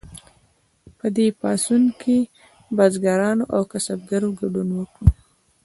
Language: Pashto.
په دې پاڅون کې بزګرانو او کسبګرو ګډون وکړ.